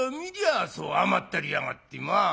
あそう甘ったれやがってまあ。